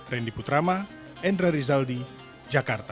randy putrama endra rizaldi jakarta